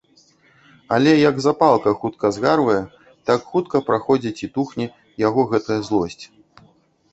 Але як запалка хутка згарвае, так хутка праходзіць і тухне яго гэтая злосць.